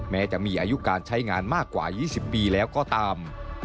แม้จะมีอายุการใช้งานมากกว่า๒๐ปีแล้วก็ตาม